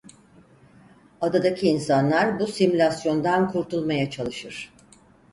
Adadaki insanlar bu simülasyondan kurtulmaya çalışır.